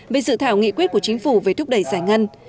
về dự thảo nghị quyết của chính phủ về thúc đẩy giải ngân